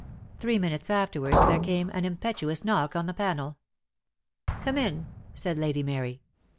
Three minutes afterwards tliere came an im petuous knock on the panel. "Come in," said Lady Mary.